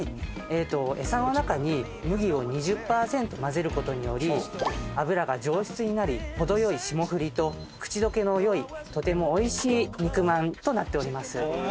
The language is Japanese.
餌の中に麦を２０％混ぜることにより脂が上質になり程よい霜降りと口溶けの良いとてもおいしい肉まんとなっております。